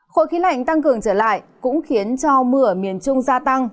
khối khí lạnh tăng cường trở lại cũng khiến cho mưa ở miền trung gia tăng